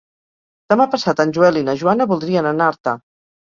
Demà passat en Joel i na Joana voldrien anar a Artà.